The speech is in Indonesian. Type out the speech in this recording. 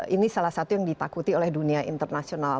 ini salah satu yang ditakuti oleh dunia internasional